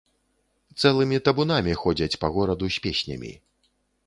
Цэлымі табунамі ходзяць па гораду з песнямі.